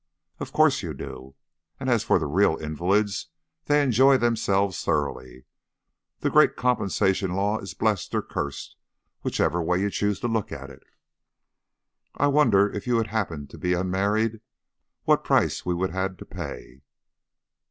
"Of course you do. And as for the real invalids they enjoy themselves thoroughly. The great compensation law is blessed or cursed, whichever way you choose to look at it." "I wonder if you had happened to be unmarried, what price we would have had to pay."